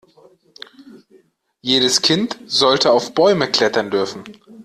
Jedes Kind sollte auf Bäume klettern dürfen.